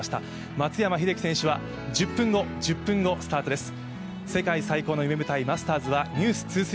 松山英樹選手は１０分後スタートです。